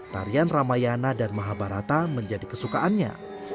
tarian ramayana dan mahabharata menjadi kesukaannya